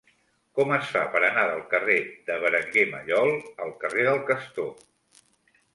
Com es fa per anar del carrer de Berenguer Mallol al carrer del Castor?